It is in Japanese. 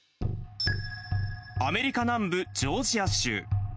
アメリカ南部ジョージア州。